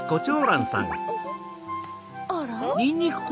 あら？